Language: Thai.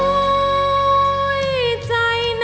เพลงแรกของเจ้าเอ๋ง